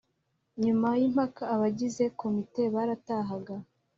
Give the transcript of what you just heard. nyuma y’impaka abagize komite baratahaga